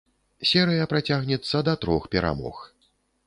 Серыя працягнецца да трох перамог.